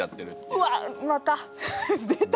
うわっまた出た！